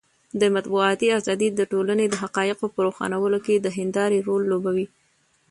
د مطبوعاتو ازادي د ټولنې د حقایقو په روښانولو کې د هندارې رول لوبوي.